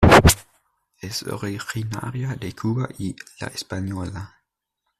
Es originaria de Cuba y La Española.